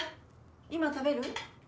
今食べる？